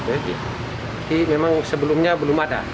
jadi memang sebelumnya belum ada